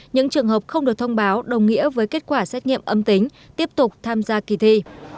những trường hợp không được thông báo đồng nghĩa với kết quả xét nghiệm âm tính tiếp tục tham gia kỳ thi